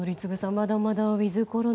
まだまだウィズコロナ